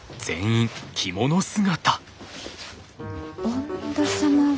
恩田様は？